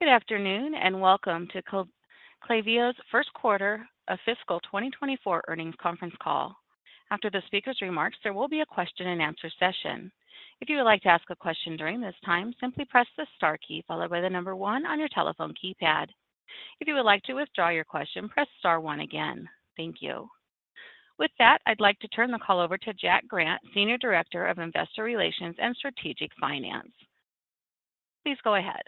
Good afternoon and welcome to Klaviyo's First Quarter of Fiscal 2024 Earnings Conference Call. After the speaker's remarks, there will be a question-and-answer session. If you would like to ask a question during this time, simply press the star key followed by the number one on your telephone keypad. If you would like to withdraw your question, press star one again. Thank you. With that, I'd like to turn the call over to Jack Grant, Senior Director of Investor Relations and Strategic Finance. Please go ahead.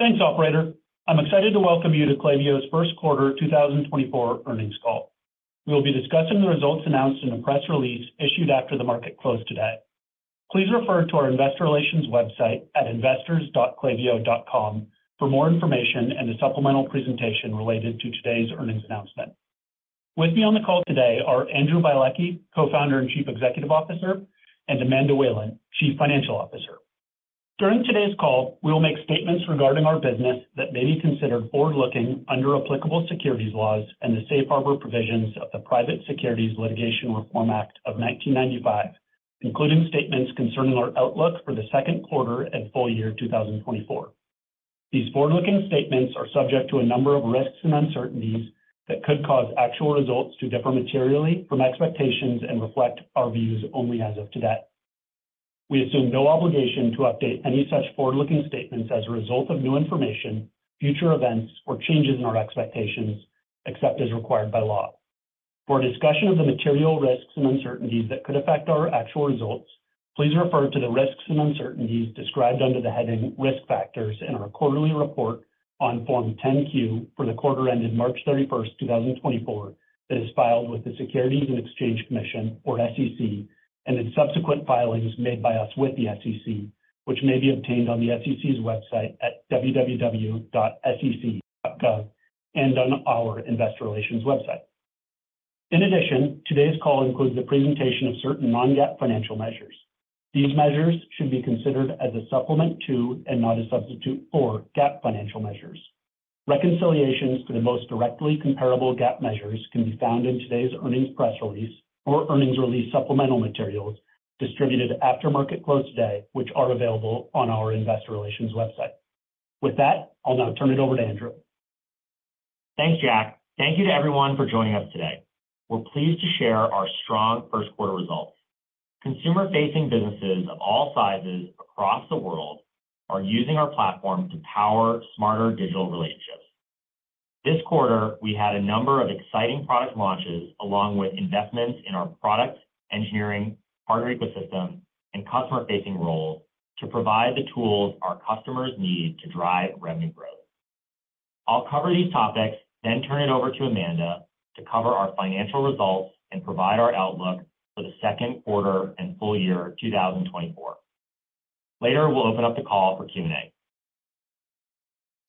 Thanks, operator. I'm excited to welcome you to Klaviyo's First Quarter 2024 Earnings Call. We will be discussing the results announced in a press release issued after the market closed today. Please refer to our investor relations website at investors.klaviyo.com for more information and a supplemental presentation related to today's earnings announcement. With me on the call today are Andrew Bialecki, Co-founder and Chief Executive Officer, and Amanda Whalen, Chief Financial Officer. During today's call, we will make statements regarding our business that may be considered forward-looking under applicable securities laws and the Safe Harbor provisions of the Private Securities Litigation Reform Act of 1995, including statements concerning our outlook for the second quarter and full-year 2024. These forward-looking statements are subject to a number of risks and uncertainties that could cause actual results to differ materially from expectations and reflect our views only as of today. We assume no obligation to update any such forward-looking statements as a result of new information, future events, or changes in our expectations, except as required by law. For a discussion of the material risks and uncertainties that could affect our actual results, please refer to the risks and uncertainties described under the heading "Risk Factors" in our quarterly report on Form 10-Q for the quarter ended March 31st, 2024, that is filed with the Securities and Exchange Commission, or SEC, and the subsequent filings made by us with the SEC, which may be obtained on the SEC's website at www.sec.gov and on our investor relations website. In addition, today's call includes a presentation of certain non-GAAP financial measures. These measures should be considered as a supplement to and not a substitute for GAAP financial measures. Reconciliations for the most directly comparable GAAP measures can be found in today's earnings press release or earnings release supplemental materials distributed after market close today, which are available on our investor relations website. With that, I'll now turn it over to Andrew. Thanks, Jack. Thank you to everyone for joining us today. We're pleased to share our strong first quarter results. Consumer-facing businesses of all sizes across the world are using our platform to power smarter digital relationships. This quarter, we had a number of exciting product launches along with investments in our product engineering partner ecosystem and customer-facing roles to provide the tools our customers need to drive revenue growth. I'll cover these topics, then turn it over to Amanda to cover our financial results and provide our outlook for the second quarter and full-year 2024. Later, we'll open up the call for Q&A.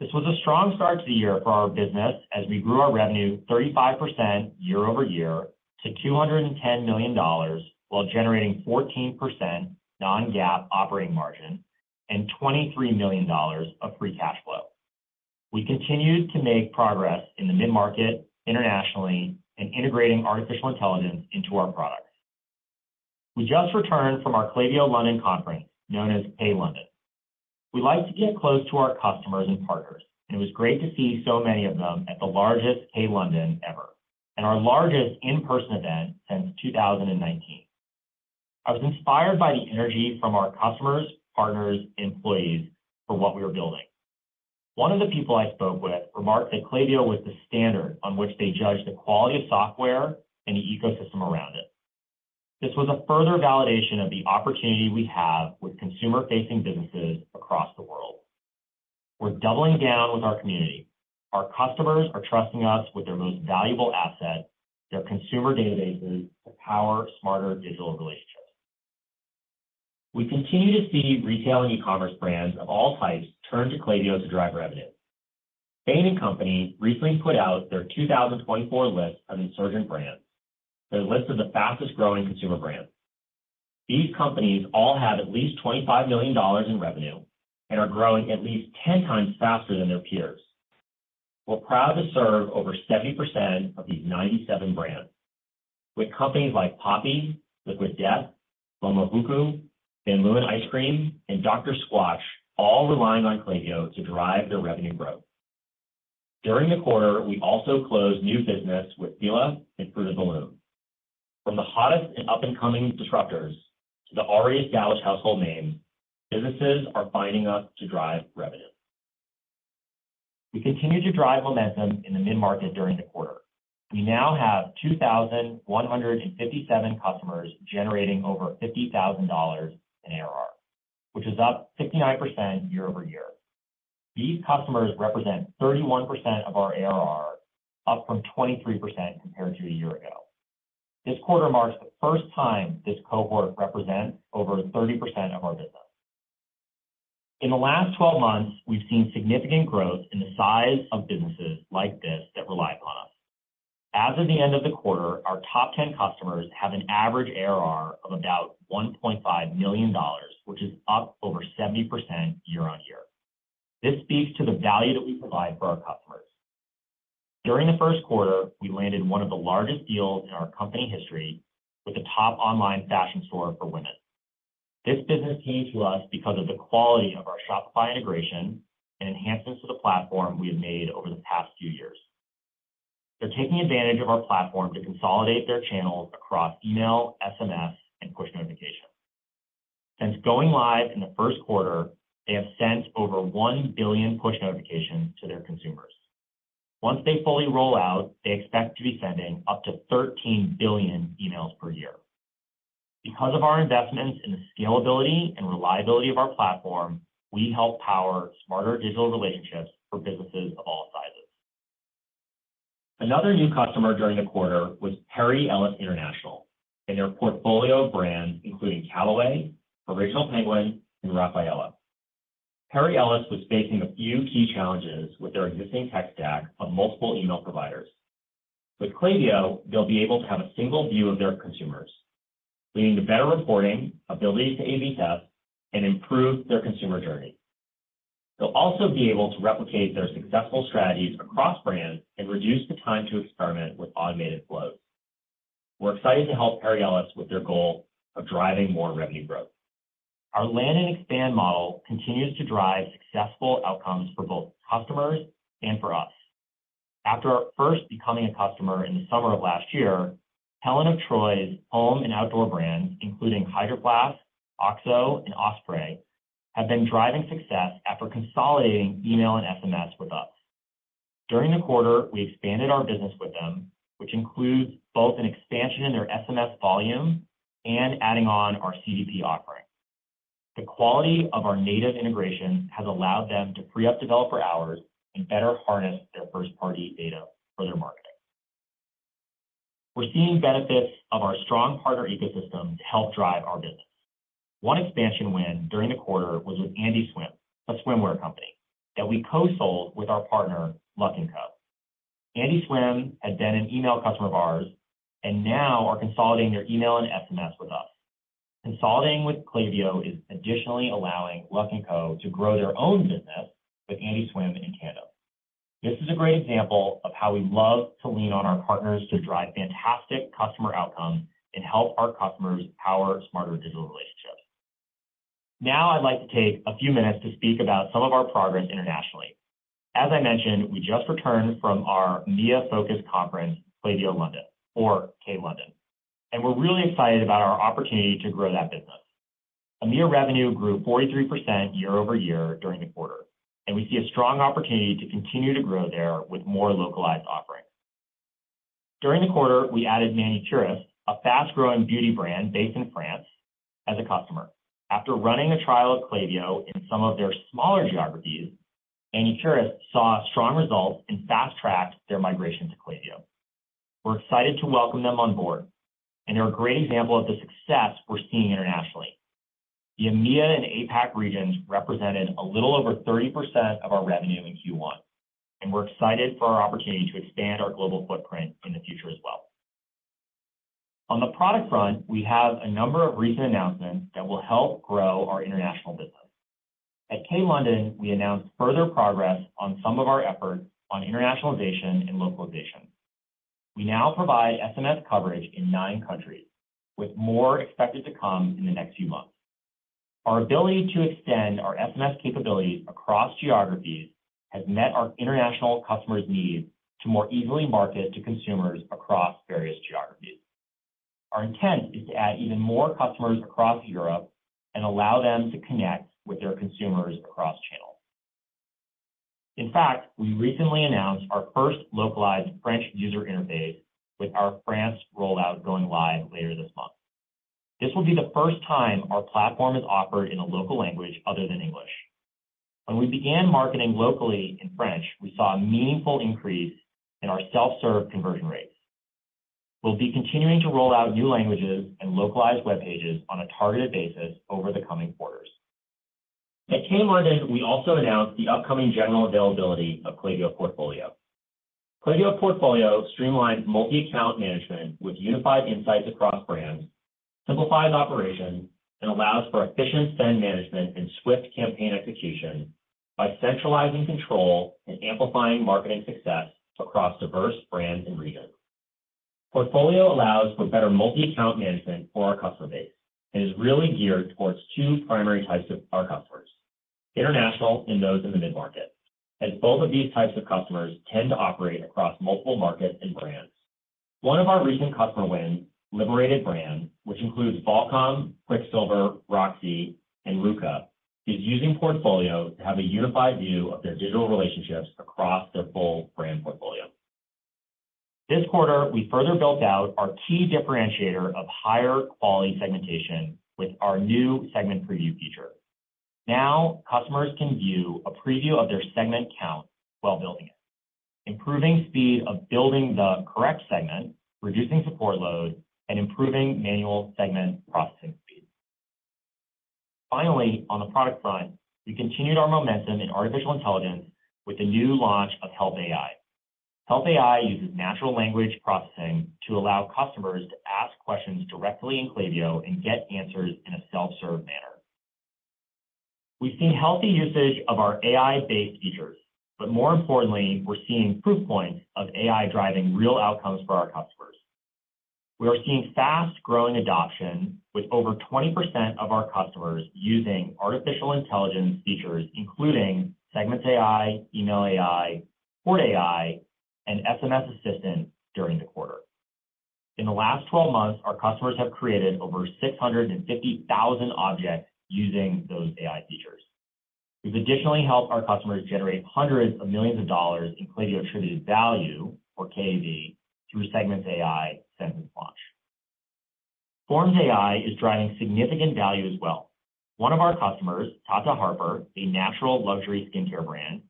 This was a strong start to the year for our business as we grew our revenue 35% year-over-year to $210 million while generating 14% non-GAAP operating margin and $23 million of free cash flow. We continued to make progress in the mid-market internationally and integrating artificial intelligence into our products. We just returned from our Klaviyo London conference known as K:LDN. We like to get close to our customers and partners, and it was great to see so many of them at the largest K:LDN ever and our largest in-person event since 2019. I was inspired by the energy from our customers, partners, and employees for what we were building. One of the people I spoke with remarked that Klaviyo was the standard on which they judged the quality of software and the ecosystem around it. This was a further validation of the opportunity we have with consumer-facing businesses across the world. We're doubling down with our community. Our customers are trusting us with their most valuable asset, their consumer databases, to power smarter digital relationships. We continue to see retail and e-commerce brands of all types turn to Klaviyo to drive revenue. Bain & Company recently put out their 2024 list of Insurgent Brands. They're a list of the fastest-growing consumer brands. These companies all have at least $25 million in revenue and are growing at least 10 times faster than their peers. We're proud to serve over 70% of these 97 brands, with companies like Poppi, Liquid Death, Momofuku, Van Leeuwen Ice Cream, and Dr. Squatch all relying on Klaviyo to drive their revenue growth. During the quarter, we also closed new business with Fila and Fruit of the Loom. From the hottest and up-and-coming disruptors to the already established household names, businesses are finding us to drive revenue. We continue to drive momentum in the mid-market during the quarter. We now have 2,157 customers generating over $50,000 in ARR, which is up 59% year-over-year. These customers represent 31% of our ARR, up from 23% compared to a year ago. This quarter marks the first time this cohort represents over 30% of our business. In the last 12 months, we've seen significant growth in the size of businesses like this that rely upon us. As of the end of the quarter, our top 10 customers have an average ARR of about $1.5 million, which is up over 70% year-over-year. This speaks to the value that we provide for our customers. During the first quarter, we landed one of the largest deals in our company history with the top online fashion store for women. This business came to us because of the quality of our Shopify integration and enhancements to the platform we have made over the past few years. They're taking advantage of our platform to consolidate their channels across email, SMS, and push notifications. Since going live in the first quarter, they have sent over one billion push notifications to their consumers. Once they fully roll out, they expect to be sending up to 13 billion emails per year. Because of our investments in the scalability and reliability of our platform, we help power smarter digital relationships for businesses of all sizes. Another new customer during the quarter was Perry Ellis International and their portfolio of brands, including Callaway, Original Penguin, and Rafaella. Perry Ellis was facing a few key challenges with their existing tech stack of multiple email providers. With Klaviyo, they'll be able to have a single view of their consumers, leading to better reporting, ability to A/B test, and improve their consumer journey. They'll also be able to replicate their successful strategies across brands and reduce the time to experiment with automated flows. We're excited to help Perry Ellis with their goal of driving more revenue growth. Our land-and-expand model continues to drive successful outcomes for both customers and for us. After first becoming a customer in the summer of last year, Helen of Troy's home and outdoor brands, including Hydro Flask, OXO, and Osprey, have been driving success after consolidating email and SMS with us. During the quarter, we expanded our business with them, which includes both an expansion in their SMS volume and adding on our CDP offering. The quality of our native integration has allowed them to free up developer hours and better harness their first-party data for their marketing. We're seeing benefits of our strong partner ecosystem to help drive our business. One expansion win during the quarter was with Andie Swim, a swimwear company, that we co-sold with our partner Luck & Co. Andie Swim had been an email customer of ours and now are consolidating their email and SMS with us. Consolidating with Klaviyo is additionally allowing Luck & Co. to grow their own business with Andie Swim in tandem. This is a great example of how we love to lean on our partners to drive fantastic customer outcomes and help our customers power smarter digital relationships. Now I'd like to take a few minutes to speak about some of our progress internationally. As I mentioned, we just returned from our EMEA-focused conference, Klaviyo London, or K:LDN, and we're really excited about our opportunity to grow that business. EMEA revenue grew 43% year-over-year during the quarter, and we see a strong opportunity to continue to grow there with more localized offerings. During the quarter, we added Manucurist, a fast-growing beauty brand based in France, as a customer. After running a trial of Klaviyo in some of their smaller geographies, Manucurist saw strong results and fast-tracked their migration to Klaviyo. We're excited to welcome them on board, and they're a great example of the success we're seeing internationally. The EMEA and APAC regions represented a little over 30% of our revenue in Q1, and we're excited for our opportunity to expand our global footprint in the future as well. On the product front, we have a number of recent announcements that will help grow our international business. At K:LDN, we announced further progress on some of our efforts on internationalization and localization. We now provide SMS coverage in nine countries, with more expected to come in the next few months. Our ability to extend our SMS capabilities across geographies has met our international customers' needs to more easily market to consumers across various geographies. Our intent is to add even more customers across Europe and allow them to connect with their consumers across channels. In fact, we recently announced our first localized French user interface with our France rollout going live later this month. This will be the first time our platform is offered in a local language other than English. When we began marketing locally in French, we saw a meaningful increase in our self-serve conversion rates. We'll be continuing to roll out new languages and localized web pages on a targeted basis over the coming quarters. At K:LDN, we also announced the upcoming general availability of Klaviyo Portfolio. Klaviyo Portfolio streamlines multi-account management with unified insights across brands, simplifies operations, and allows for efficient spend management and swift campaign execution by centralizing control and amplifying marketing success across diverse brands and regions. Portfolio allows for better multi-account management for our customer base and is really geared towards two primary types of our customers: international and those in the mid-market, as both of these types of customers tend to operate across multiple markets and brands. One of our recent customer wins, Liberated Brands, which includes Volcom, Quiksilver, Roxy, and RVCA, is using Portfolio to have a unified view of their digital relationships across their full brand portfolio. This quarter, we further built out our key differentiator of higher-quality segmentation with our new segment preview feature. Now customers can view a preview of their segment count while building it, improving speed of building the correct segment, reducing support load, and improving manual segment processing speed. Finally, on the product front, we continued our momentum in artificial intelligence with the new launch of Help AI. Help AI uses natural language processing to allow customers to ask questions directly in Klaviyo and get answers in a self-serve manner. We've seen healthy usage of our AI-based features, but more importantly, we're seeing proof points of AI driving real outcomes for our customers. We are seeing fast-growing adoption with over 20% of our customers using artificial intelligence features, including Segments AI, Email AI, Flows AI, and SMS Assistant during the quarter. In the last 12 months, our customers have created over 650,000 objects using those AI features. We've additionally helped our customers generate hundreds of millions in Klaviyo Attributed Value, or KAV, through Segments AI since its launch. Forms AI is driving significant value as well. One of our customers, Tata Harper, a natural luxury skincare brand,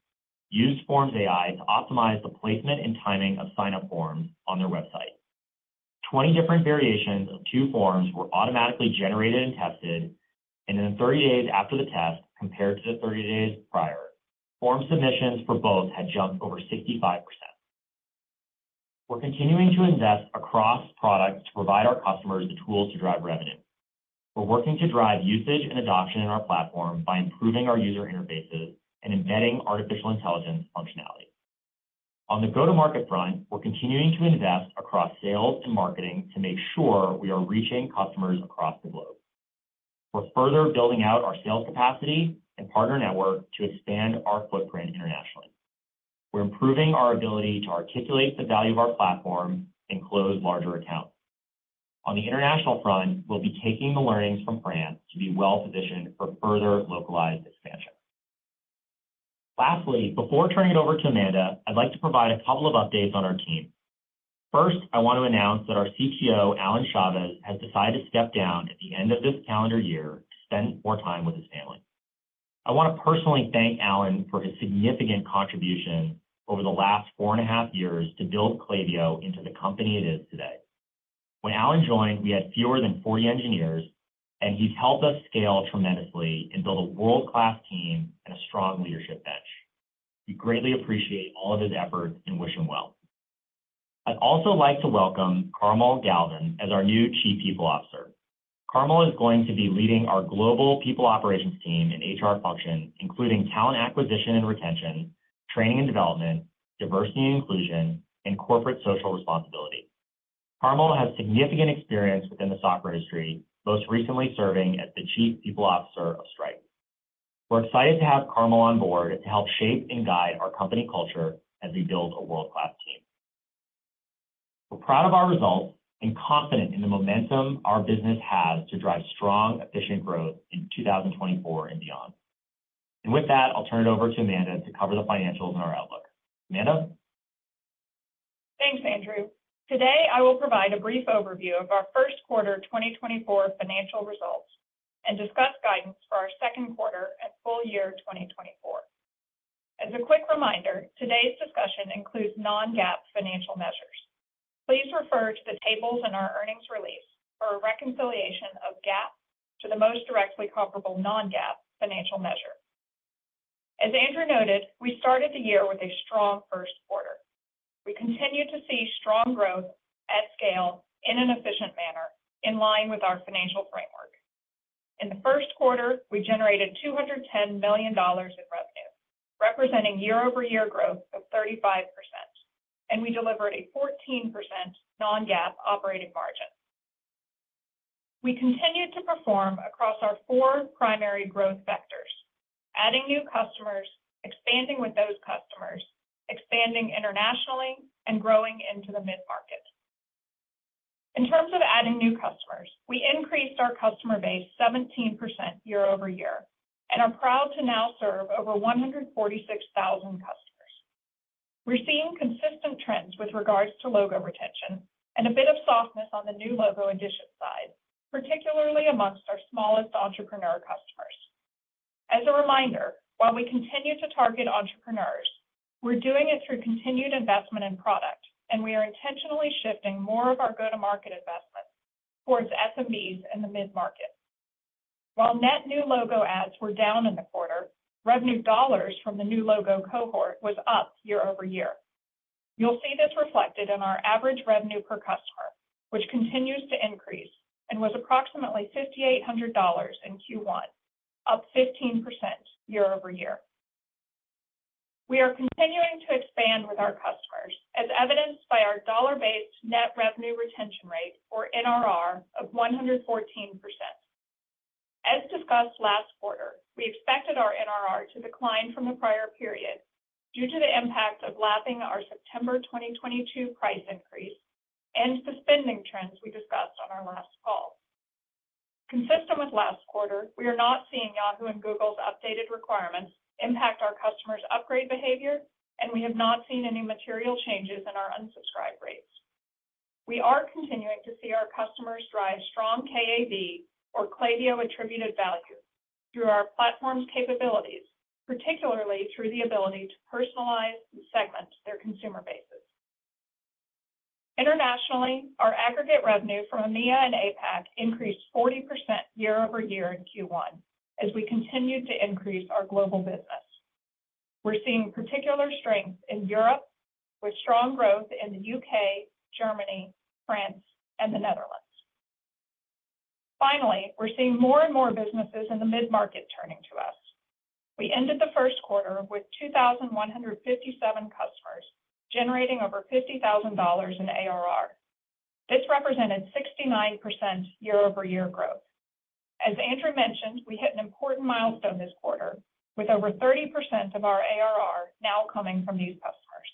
used Forms AI to optimize the placement and timing of sign-up forms on their website. 20 different variations of 2 forms were automatically generated and tested, and in 30 days after the test compared to the 30 days prior, form submissions for both had jumped over 65%. We're continuing to invest across products to provide our customers the tools to drive revenue. We're working to drive usage and adoption in our platform by improving our user interfaces and embedding artificial intelligence functionality. On the go-to-market front, we're continuing to invest across sales and marketing to make sure we are reaching customers across the globe. We're further building out our sales capacity and partner network to expand our footprint internationally. We're improving our ability to articulate the value of our platform and close larger accounts. On the international front, we'll be taking the learnings from France to be well-positioned for further localized expansion. Lastly, before turning it over to Amanda, I'd like to provide a couple of updates on our team. First, I want to announce that our CTO, Allen Chaves, has decided to step down at the end of this calendar year to spend more time with his family. I want to personally thank Allen for his significant contribution over the last four and a half years to build Klaviyo into the company it is today. When Allen joined, we had fewer than 40 engineers, and he's helped us scale tremendously and build a world-class team and a strong leadership bench. We greatly appreciate all of his efforts and wish him well. I'd also like to welcome Carmel Galvin as our new Chief People Officer. Carmel is going to be leading our global people operations team in HR function, including talent acquisition and retention, training and development, diversity and inclusion, and corporate social responsibility. Carmel has significant experience within the software industry, most recently serving as the Chief People Officer of Stripe. We're excited to have Carmel on board to help shape and guide our company culture as we build a world-class team. We're proud of our results and confident in the momentum our business has to drive strong, efficient growth in 2024 and beyond. With that, I'll turn it over to Amanda to cover the financials and our outlook. Amanda? Thanks, Andrew. Today, I will provide a brief overview of our first quarter 2024 financial results and discuss guidance for our second quarter and full-year 2024. As a quick reminder, today's discussion includes non-GAAP financial measures. Please refer to the tables in our earnings release for a reconciliation of GAAP to the most directly comparable non-GAAP financial measure. As Andrew noted, we started the year with a strong first quarter. We continue to see strong growth at scale in an efficient manner in line with our financial framework. In the first quarter, we generated $210 million in revenue, representing year-over-year growth of 35%, and we delivered a 14% non-GAAP operating margin. We continued to perform across our four primary growth vectors: adding new customers, expanding with those customers, expanding internationally, and growing into the mid-market. In terms of adding new customers, we increased our customer base 17% year-over-year and are proud to now serve over 146,000 customers. We're seeing consistent trends with regards to logo retention and a bit of softness on the new logo addition side, particularly among our smallest entrepreneur customers. As a reminder, while we continue to target entrepreneurs, we're doing it through continued investment in product, and we are intentionally shifting more of our go-to-market investments towards SMBs in the mid-market. While net new logo adds were down in the quarter, revenue dollars from the new logo cohort was up year-over-year. You'll see this reflected in our average revenue per customer, which continues to increase and was approximately $5,800 in Q1, up 15% year-over-year. We are continuing to expand with our customers, as evidenced by our dollar-based net revenue retention rate, or NRR, of 114%. As discussed last quarter, we expected our NRR to decline from the prior period due to the impact of lapping our September 2022 price increase and the spending trends we discussed on our last call. Consistent with last quarter, we are not seeing Yahoo and Google's updated requirements impact our customers' upgrade behavior, and we have not seen any material changes in our unsubscribe rates. We are continuing to see our customers drive strong KAV, or Klaviyo Attributed Value, through our platform's capabilities, particularly through the ability to personalize and segment their consumer bases. Internationally, our aggregate revenue from EMEA and APAC increased 40% year-over-year in Q1 as we continued to increase our global business. We're seeing particular strength in Europe, with strong growth in the UK, Germany, France, and the Netherlands. Finally, we're seeing more and more businesses in the mid-market turning to us. We ended the first quarter with 2,157 customers generating over $50,000 in ARR. This represented 69% year-over-year growth. As Andrew mentioned, we hit an important milestone this quarter, with over 30% of our ARR now coming from these customers.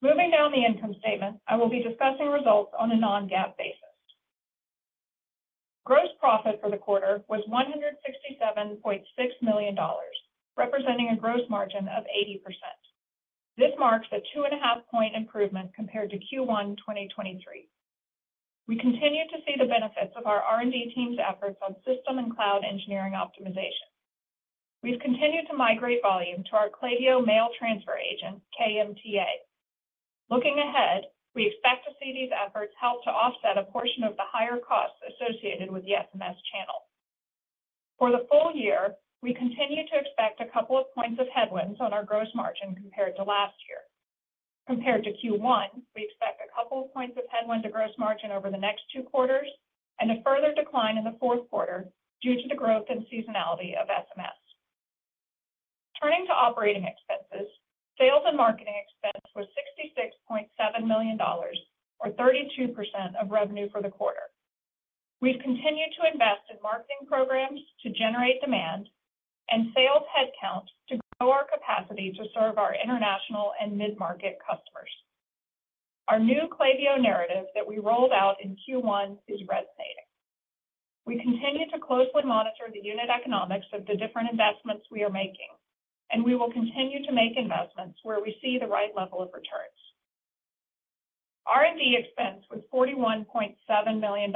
Moving down the income statement, I will be discussing results on a non-GAAP basis. Gross profit for the quarter was $167.6 million, representing a gross margin of 80%. This marks a two-and-a-half-point improvement compared to Q1 2023. We continue to see the benefits of our R&D team's efforts on system and cloud engineering optimization. We've continued to migrate volume to our Klaviyo mail transfer agent, KMTA. Looking ahead, we expect to see these efforts help to offset a portion of the higher costs associated with the SMS channels. For the full-year, we continue to expect a couple of points of headwinds on our gross margin compared to last year. Compared to Q1, we expect a couple of points of headwind to gross margin over the next two quarters and a further decline in the fourth quarter due to the growth and seasonality of SMS. Turning to operating expenses, sales and marketing expense was $66.7 million, or 32% of revenue for the quarter. We've continued to invest in marketing programs to generate demand and sales headcount to grow our capacity to serve our international and mid-market customers. Our new Klaviyo narrative that we rolled out in Q1 is resonating. We continue to closely monitor the unit economics of the different investments we are making, and we will continue to make investments where we see the right level of returns. R&D expense was $41.7 million,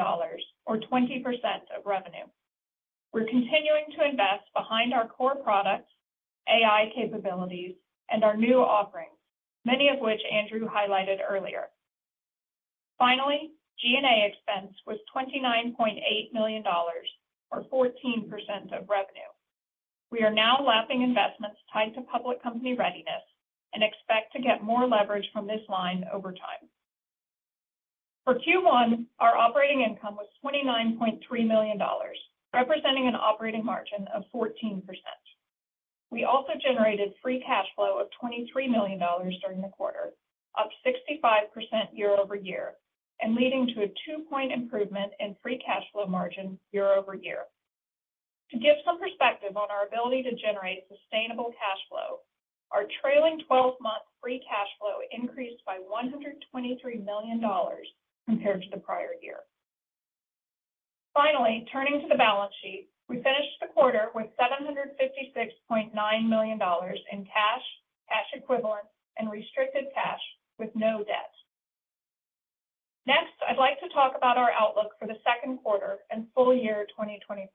or 20% of revenue. We're continuing to invest behind our core products, AI capabilities, and our new offerings, many of which Andrew highlighted earlier. Finally, G&A expense was $29.8 million, or 14% of revenue. We are now lapping investments tied to public company readiness and expect to get more leverage from this line over time. For Q1, our operating income was $29.3 million, representing an operating margin of 14%. We also generated free cash flow of $23 million during the quarter, up 65% year-over-year, and leading to a two-point improvement in free cash flow margin year-over-year. To give some perspective on our ability to generate sustainable cash flow, our trailing 12-month free cash flow increased by $123 million compared to the prior-year. Finally, turning to the balance sheet, we finished the quarter with $756.9 million in cash, cash equivalent, and restricted cash with no debt. Next, I'd like to talk about our outlook for the second quarter and full-year 2024.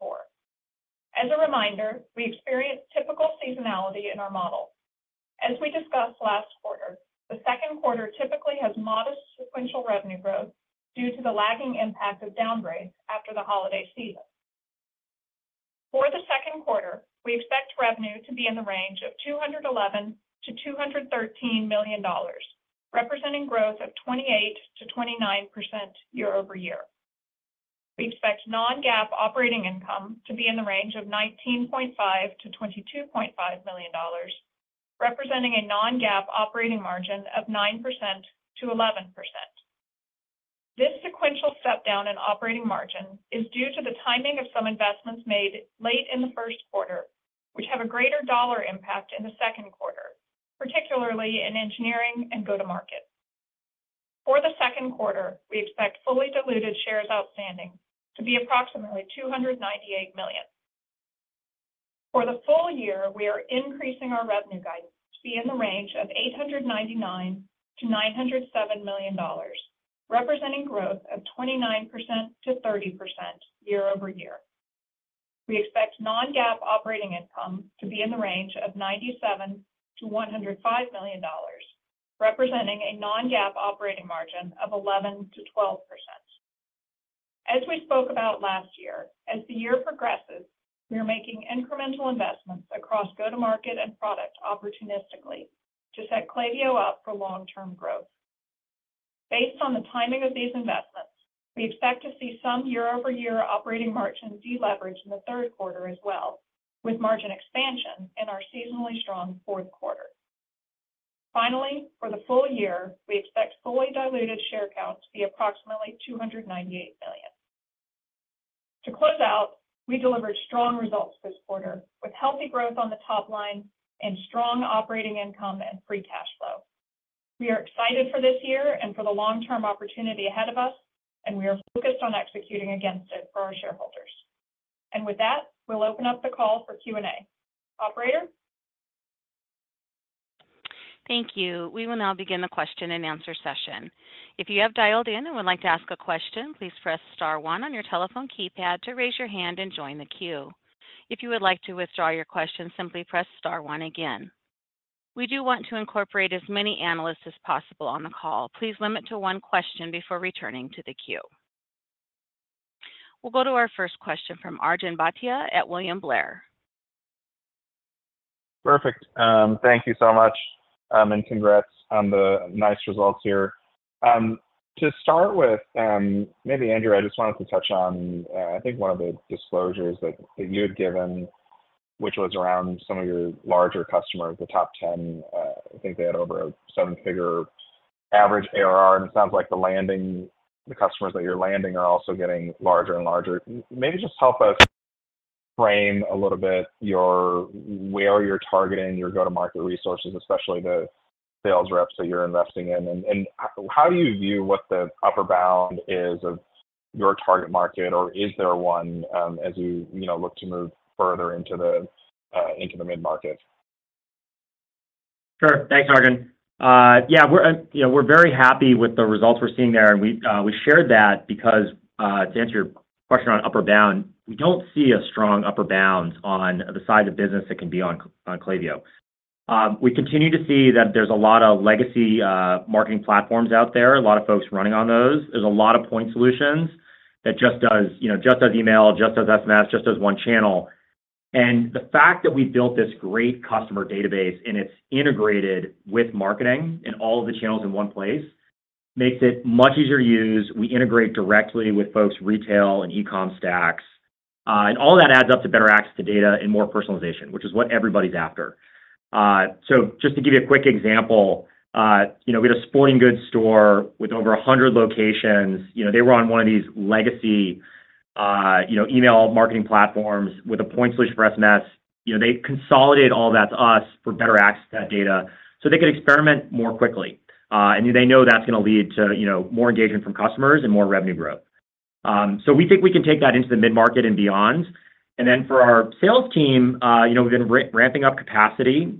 As a reminder, we experienced typical seasonality in our model. As we discussed last quarter, the second quarter typically has modest sequential revenue growth due to the lagging impact of downgrades after the holiday season. For the second quarter, we expect revenue to be in the range of $211-$213 million, representing growth of 28%-29% year-over-year. We expect non-GAAP operating income to be in the range of $19.5-$22.5 million, representing a non-GAAP operating margin of 9%-11%. This sequential stepdown in operating margin is due to the timing of some investments made late in the first quarter, which have a greater dollar impact in the second quarter, particularly in engineering and go-to-market. For the second quarter, we expect fully diluted shares outstanding to be approximately 298 million. For the full-year, we are increasing our revenue guidance to be in the range of $899-$907 million, representing growth of 29%-30% year-over-year. We expect non-GAAP operating income to be in the range of $97-$105 million, representing a non-GAAP operating margin of 11%-12%. As we spoke about last year, as the year progresses, we are making incremental investments across go-to-market and product opportunistically to set Klaviyo up for long-term growth. Based on the timing of these investments, we expect to see some year-over-year operating margin de-leveraged in the third quarter as well, with margin expansion in our seasonally strong fourth quarter. Finally, for the full-year, we expect fully diluted share counts to be approximately 298 million. To close out, we delivered strong results this quarter, with healthy growth on the top line and strong operating income and free cash flow. We are excited for this year and for the long-term opportunity ahead of us, and we are focused on executing against it for our shareholders. With that, we'll open up the call for Q&A. Operator? Thank you. We will now begin the question and answer session. If you have dialed in and would like to ask a question, please press star one on your telephone keypad to raise your hand and join the queue. If you would like to withdraw your question, simply press star one again. We do want to incorporate as many analysts as possible on the call. Please limit to one question before returning to the queue. We'll go to our first question from Arjun Bhatia at William Blair. Perfect. Thank you so much and congrats on the nice results here. To start with, maybe, Andrew, I just wanted to touch on, I think, one of the disclosures that you had given, which was around some of your larger customers, the top 10. I think they had over a seven-figure average ARR, and it sounds like the customers that you're landing are also getting larger and larger. Maybe just help us frame a little bit where you're targeting your go-to-market resources, especially the sales reps that you're investing in. How do you view what the upper bound is of your target market, or is there one as you look to move further into the mid-market? Sure. Thanks, Arjun. Yeah, we're very happy with the results we're seeing there, and we shared that because, to answer your question on upper bound, we don't see a strong upper bound on the size of business that can be on Klaviyo. We continue to see that there's a lot of legacy marketing platforms out there, a lot of folks running on those. There's a lot of point solutions that just does email, just does SMS, just does one channel. And the fact that we built this great customer database and it's integrated with marketing and all of the channels in one place makes it much easier to use. We integrate directly with folks' retail and e-comm stacks. And all of that adds up to better access to data and more personalization, which is what everybody's after. So just to give you a quick example, we had a sporting goods store with over 100 locations. They were on one of these legacy email marketing platforms with a point solution for SMS. They consolidated all of that to us for better access to that data so they could experiment more quickly. And they know that's going to lead to more engagement from customers and more revenue growth. So we think we can take that into the mid-market and beyond. And then for our sales team, we've been ramping up capacity in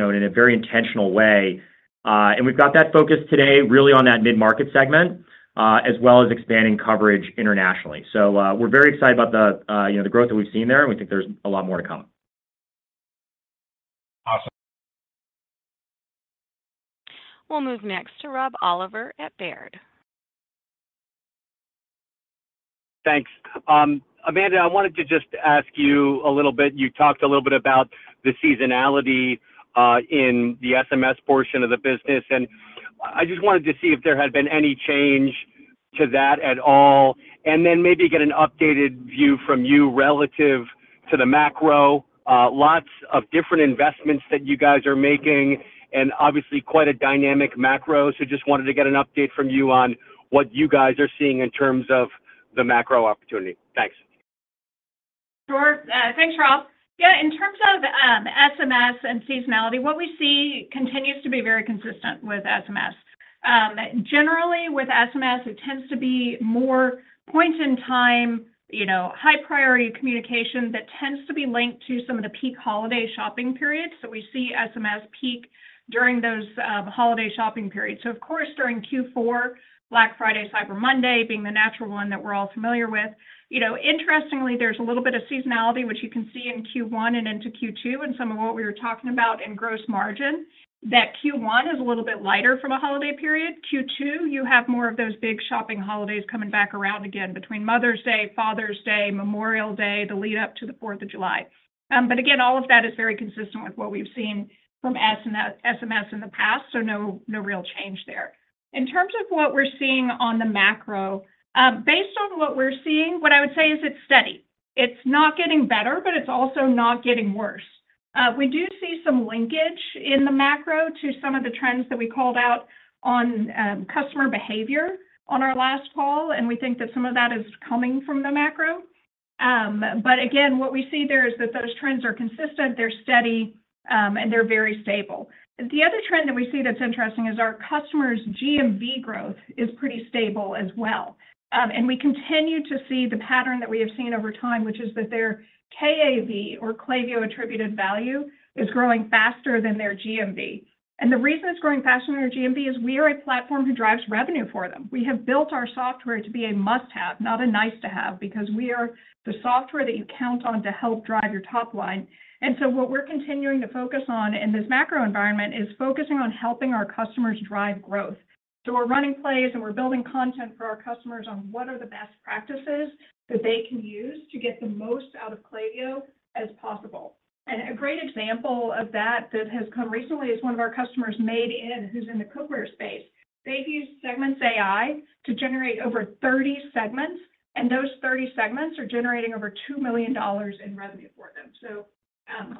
a very intentional way. And we've got that focus today really on that mid-market segment as well as expanding coverage internationally. So we're very excited about the growth that we've seen there, and we think there's a lot more to come. Awesome. We'll move next to Rob Oliver at Baird. Thanks. Amanda, I wanted to just ask you a little bit. You talked a little bit about the seasonality in the SMS portion of the business, and I just wanted to see if there had been any change to that at all, and then maybe get an updated view from you relative to the macro. Lots of different investments that you guys are making and obviously quite a dynamic macro, so just wanted to get an update from you on what you guys are seeing in terms of the macro opportunity. Thanks. Sure. Thanks, Rob. Yeah, in terms of SMS and seasonality, what we see continues to be very consistent with SMS. Generally, with SMS, it tends to be more point-in-time, high-priority communication that tends to be linked to some of the peak holiday shopping periods. So we see SMS peak during those holiday shopping periods. So, of course, during Q4, Black Friday, Cyber Monday being the natural one that we're all familiar with, interestingly, there's a little bit of seasonality, which you can see in Q1 and into Q2 in some of what we were talking about in gross margin, that Q1 is a little bit lighter from a holiday period. Q2, you have more of those big shopping holidays coming back around again between Mother's Day, Father's Day, Memorial Day, the lead-up to the 4th of July. But again, all of that is very consistent with what we've seen from SMS in the past, so no real change there. In terms of what we're seeing on the macro, based on what we're seeing, what I would say is it's steady. It's not getting better, but it's also not getting worse. We do see some linkage in the macro to some of the trends that we called out on customer behavior on our last call, and we think that some of that is coming from the macro. But again, what we see there is that those trends are consistent, they're steady, and they're very stable. The other trend that we see that's interesting is our customers' GMV growth is pretty stable as well. We continue to see the pattern that we have seen over time, which is that their KAV, or Klaviyo Attributed Value, is growing faster than their GMV. The reason it's growing faster than their GMV is we are a platform who drives revenue for them. We have built our software to be a must-have, not a nice-to-have, because we are the software that you count on to help drive your top line. What we're continuing to focus on in this macro environment is focusing on helping our customers drive growth. We're running plays, and we're building content for our customers on what are the best practices that they can use to get the most out of Klaviyo as possible. A great example of that that has come recently is one of our customers Made In, who's in the cookware space. They've used Segments AI to generate over 30 segments, and those 30 segments are generating over $2 million in revenue for them. So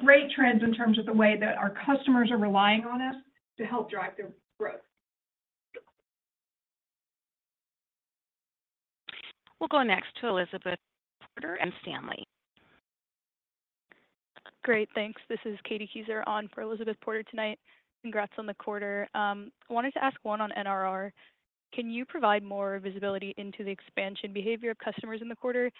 great trends in terms of the way that our customers are relying on us to help drive their growth. We'll go next to Elizabeth Porter, Morgan Stanley. Great. Thanks. This is Katie Keyser on for Elizabeth Porter tonight. Congrats on the quarter. I wanted to ask one on NRR. Can you provide more visibility into the expansion behavior of customers in the quarter?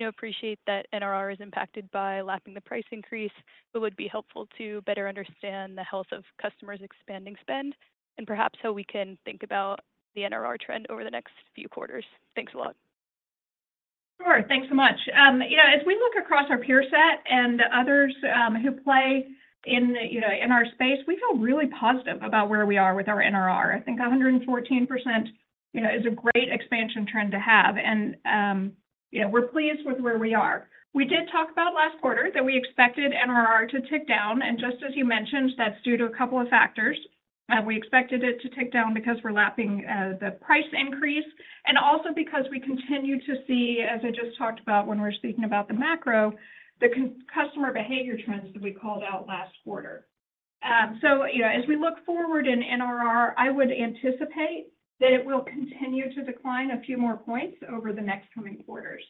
I appreciate that NRR is impacted by lapping the price increase, but would be helpful to better understand the health of customers' expanding spend and perhaps how we can think about the NRR trend over the next few quarters. Thanks a lot. Sure. Thanks so much. As we look across our peer set and others who play in our space, we feel really positive about where we are with our NRR. I think 114% is a great expansion trend to have, and we're pleased with where we are. We did talk about last quarter that we expected NRR to tick down, and just as you mentioned, that's due to a couple of factors. We expected it to tick down because we're lapping the price increase and also because we continue to see, as I just talked about when we were speaking about the macro, the customer behavior trends that we called out last quarter. So as we look forward in NRR, I would anticipate that it will continue to decline a few more points over the next coming quarters.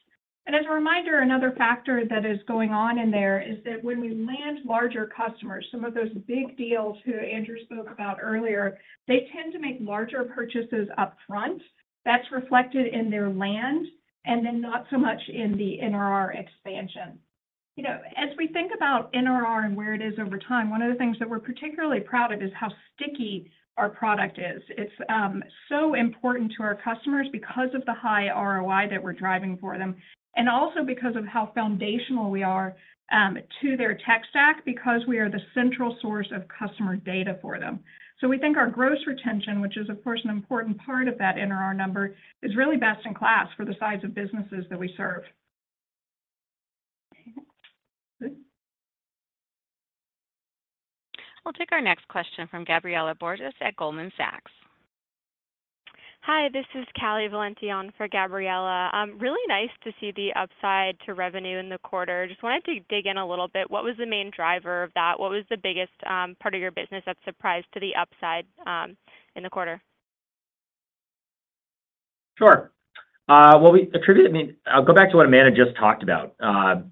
As a reminder, another factor that is going on in there is that when we land larger customers, some of those big deals who Andrew spoke about earlier, they tend to make larger purchases upfront. That's reflected in their land and then not so much in the NRR expansion. As we think about NRR and where it is over time, one of the things that we're particularly proud of is how sticky our product is. It's so important to our customers because of the high ROI that we're driving for them and also because of how foundational we are to their tech stack because we are the central source of customer data for them. So we think our gross retention, which is, of course, an important part of that NRR number, is really best in class for the size of businesses that we serve. We'll take our next question from Gabriela Borges at Goldman Sachs. Hi. This is Callie Valenti for Gabriela. Really nice to see the upside to revenue in the quarter. Just wanted to dig in a little bit. What was the main driver of that? What was the biggest part of your business that surprised to the upside in the quarter? Sure. Well, I mean, I'll go back to what Amanda just talked about.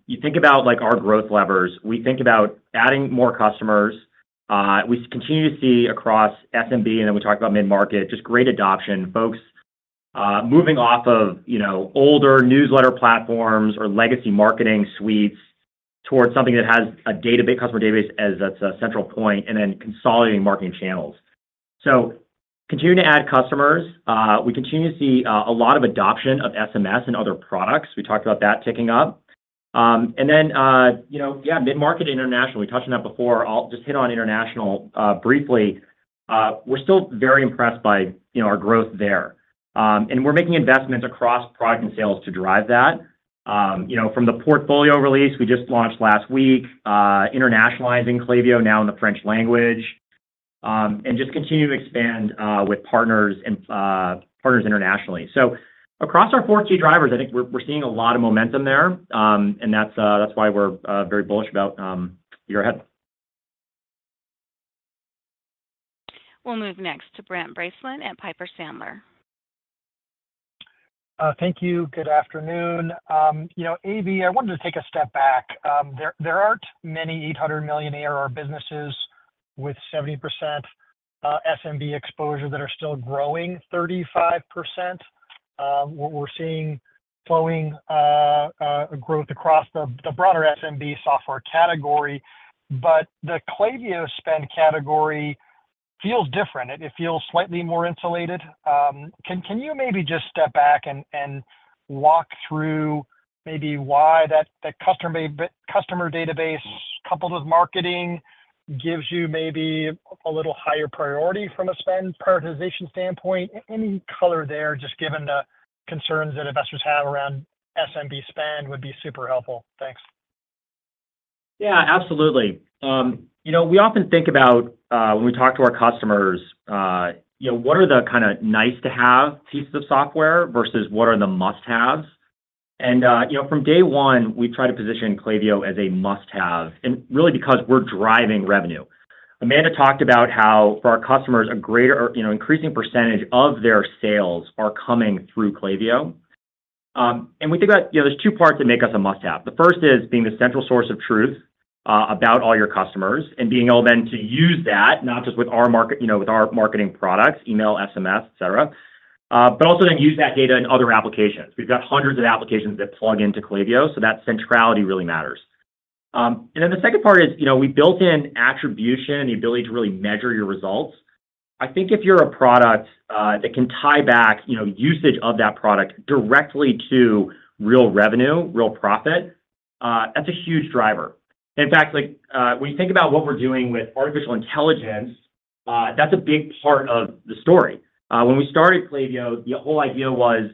You think about our growth levers. We think about adding more customers. We continue to see across SMB, and then we talked about mid-market, just great adoption, folks moving off of older newsletter platforms or legacy marketing suites towards something that has a customer database as a central point and then consolidating marketing channels. So continuing to add customers. We continue to see a lot of adoption of SMS and other products. We talked about that ticking up. And then, yeah, mid-market and international. We touched on that before. I'll just hit on international briefly. We're still very impressed by our growth there, and we're making investments across product and sales to drive that. From the portfolio release we just launched last week, internationalizing Klaviyo now in the French language and just continuing to expand with partners internationally. So across our four key drivers, I think we're seeing a lot of momentum there, and that's why we're very bullish about the year ahead. We'll move next to Brent Bracelin at Piper Sandler. Thank you. Good afternoon. AB, I wanted to take a step back. There aren't many $800 million ARR businesses with 70% SMB exposure that are still growing 35%. We're seeing slowing growth across the broader SMB software category, but the Klaviyo spend category feels different. It feels slightly more insulated. Can you maybe just step back and walk through maybe why that customer database, coupled with marketing, gives you maybe a little higher priority from a spend prioritization standpoint? Any color there, just given the concerns that investors have around SMB spend would be super helpful. Thanks. Yeah, absolutely. We often think about when we talk to our customers, what are the kind of nice-to-have pieces of software versus what are the must-haves? And from day one, we've tried to position Klaviyo as a must-have and really because we're driving revenue. Amanda talked about how for our customers, an increasing percentage of their sales are coming through Klaviyo. And we think about there's two parts that make us a must-have. The first is being the central source of truth about all your customers and being able then to use that not just with our marketing products, email, SMS, etc., but also then use that data in other applications. We've got hundreds of applications that plug into Klaviyo, so that centrality really matters. And then the second part is we built in attribution and the ability to really measure your results. I think if you're a product that can tie back usage of that product directly to real revenue, real profit, that's a huge driver. In fact, when you think about what we're doing with artificial intelligence, that's a big part of the story. When we started Klaviyo, the whole idea was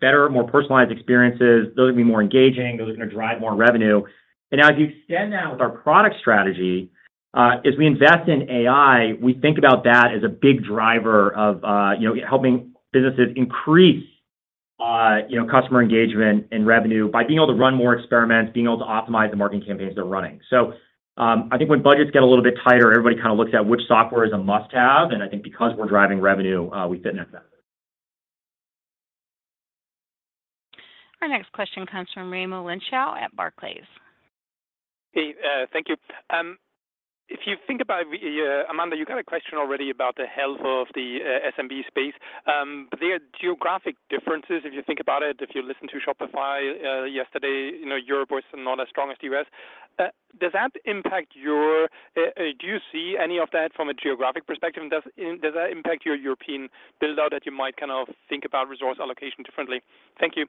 better, more personalized experiences. Those are going to be more engaging. Those are going to drive more revenue. And now as you extend that with our product strategy, as we invest in AI, we think about that as a big driver of helping businesses increase customer engagement and revenue by being able to run more experiments, being able to optimize the marketing campaigns they're running. So I think when budgets get a little bit tighter, everybody kind of looks at which software is a must-have. And I think because we're driving revenue, we fit in at that. Our next question comes from Raimo Lenschow at Barclays. Hey, thank you. If you think about Amanda, you got a question already about the health of the SMB space. There are geographic differences if you think about it. If you listened to Shopify yesterday, Europe was not as strong as the U.S. Does that impact you? Do you see any of that from a geographic perspective? And does that impact your European buildout that you might kind of think about resource allocation differently? Thank you.